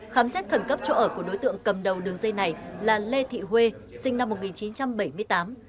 khám xét thẩn cấp chỗ ở của đối tượng cầm đầu đường dây này là lê thị huê sinh năm một nghìn chín trăm bảy mươi tám